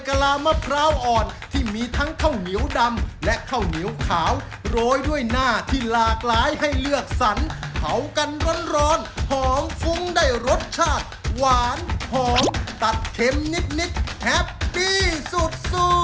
กลามะพร้าวอ่อนที่มีทั้งข้าวเหนียวดำและข้าวเหนียวขาวโรยด้วยหน้าที่หลากหลายให้เลือกสรรเผากันร้อนหอมฟุ้งได้รสชาติหวานหอมตัดเข็มนิดแฮปปี้สุด